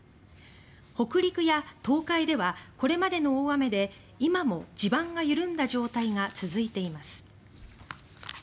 北陸や東海ではこれまでの大雨で今も地盤が緩んだ状態が続いています。